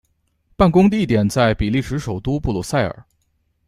办公地点在比利时首都布鲁塞尔。